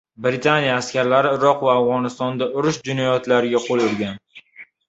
“Britaniya askarlari Iroq va Afg‘onistonda urush jinoyatlariga qo‘l urgan”